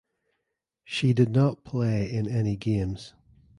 She did not play in any games.